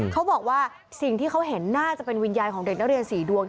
เขาบอกว่าสิ่งที่เขาเห็นน่าจะเป็นวิญญาณของเด็กนักเรียน๔ดวง